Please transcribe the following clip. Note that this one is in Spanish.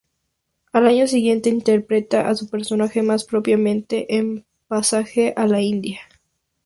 Al año siguiente interpreta a su personaje más prominente en Pasaje a la India.